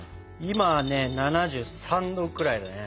今ね７３℃くらいだね。